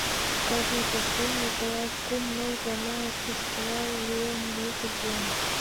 Кажне кастене Николаев, кум-ныл гана кӱшкыла лӱен, йӱкым пуэн.